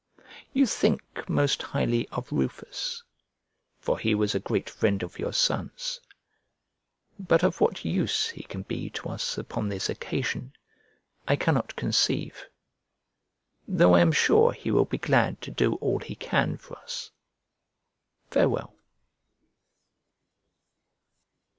You think most highly of Rufus, for he was a great friend of your son's; but of what use he can be to us upon this occasion, I cannot conceive; though I am sure he will be glad to do all he can for us. Farewell.